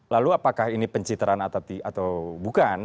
lalu apakah ini pencitraan atau bukan